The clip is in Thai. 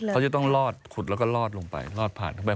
เขาจะต้องลอดขุดแล้วก็ลอดลงไปลอดผ่านเข้าไป